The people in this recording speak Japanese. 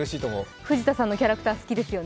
藤田さんのキャラクター、好きですよね？